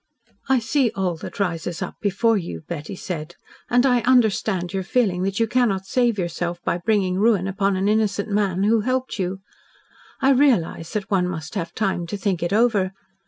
"I see all that rises up before you," Betty said, "and I understand your feeling that you cannot save yourself by bringing ruin upon an innocent man who helped you. I realise that one must have time to think it over.